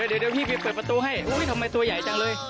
เดี๋ยวพี่ไปเปิดประตูให้ทำไมตัวใหญ่จังเลย